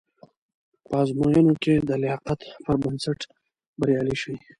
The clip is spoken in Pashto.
په ازموینو کې د لایقت پر بنسټ بریالي شئ.